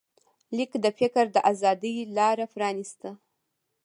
لیک د فکر د ازادۍ لاره پرانسته.